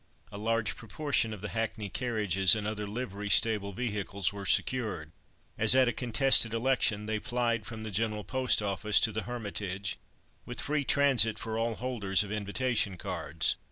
A large proportion of the hackney carriages and other livery stable vehicles were secured. As at a contested election, they plied from the General Post Office to the Hermitage, with free transit for all holders of invitation cards.